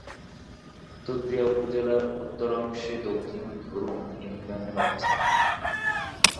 কুতুবদিয়া উপজেলার উত্তরাংশে দক্ষিণ ধুরুং ইউনিয়নের অবস্থান।